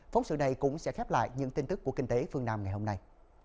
phóng sự này cũng sẽ khép lại những tin tức của kinh tế phương nam ngày hôm nay